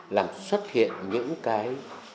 làm xuất hiện những cái